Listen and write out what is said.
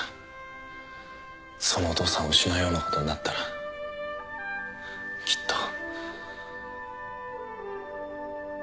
そのお父さんを失うようなことになったらきっと。